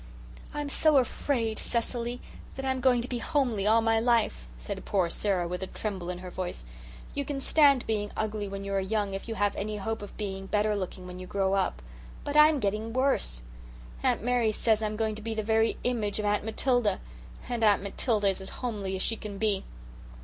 "I'm so afraid, Cecily, that I'm going to be homely all my life," said poor Sara with a tremble in her voice. "You can stand being ugly when you are young if you have any hope of being better looking when you grow up. But I'm getting worse. Aunt Mary says I'm going to be the very image of Aunt Matilda. And Aunt Matilda is as homely as she can be.